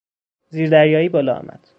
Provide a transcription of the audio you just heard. زیردریایی بالا آمد.